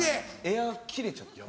エア切れちゃって。